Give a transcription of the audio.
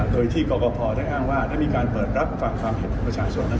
โดยที่กรกภได้อ้างว่าได้มีการเปิดรับฟังความเห็นของประชาชนนั้น